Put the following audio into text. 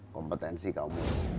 kompetensi kaum muda